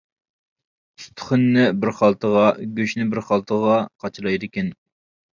ئۇستىخىنىنى بىر خالتىغا، گۆشىنى بىر خالتىغا قاچىلايدىكەن.